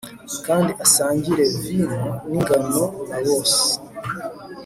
Kandi asangire vino ningano na bose